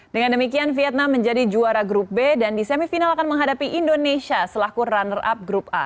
dengan demikian vietnam menjadi juara grup b dan di semifinal akan menghadapi indonesia selaku runner up grup a